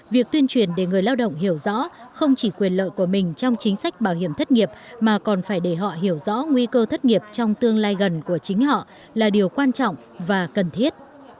việc tuyên truyền để người lao động hiểu rõ không chỉ quyền lợi của mình trong chính sách bảo hiểm thất nghiệp mà còn phải để họ hiểu rõ nguy cơ thất nghiệp trong tương lai gần của chính họ là điều quan trọng và cần thiết